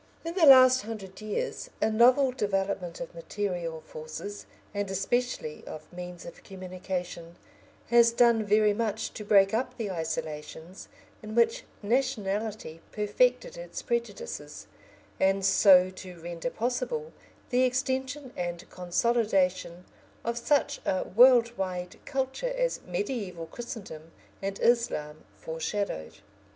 In the last hundred years a novel development of material forces, and especially of means of communication, has done very much to break up the isolations in which nationality perfected its prejudices and so to render possible the extension and consolidation of such a world wide culture as mediaeval Christendom and Islam foreshadowed.